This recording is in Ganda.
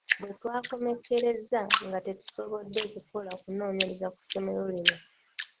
Bwetwakomekkereza nga tetusobodde kukola kunoonyereza mu ssomero lino.